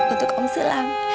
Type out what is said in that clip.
untuk om sulam